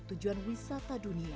tujuan wisata dunia